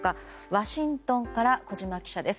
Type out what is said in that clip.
ワシントンから小島記者です。